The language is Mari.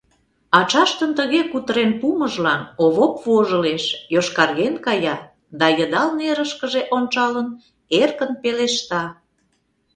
Ачаштын тыге кутырен пуымыжлан Овоп вожылеш, йошкарген кая да, йыдал нерышкыже ончалын, эркын пелешта: